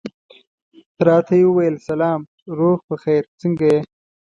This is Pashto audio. راته یې وویل سلام، روغ په خیر، څنګه یې؟